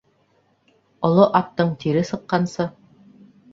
Оло аттың тире сыҡҡансы